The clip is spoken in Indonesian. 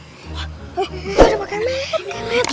eh ada pak kemet